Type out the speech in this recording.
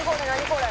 これ。